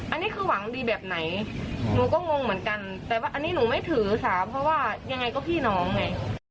อันนี้คือหวังดีแบบไหนหนูก็งงเหมือนกันแต่ว่าอันนี้หนูไม่ถือค่ะเพราะว่ายังไงก็พี่น้องไง